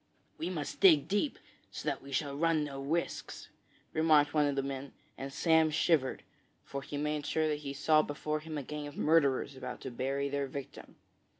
'We must dig deep, so that we shall run no risks,' remarked one of the men, and Sam shivered, for he made sure that he saw before him a gang of murderers about to bury their victim.